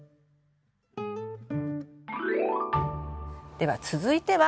では続いては。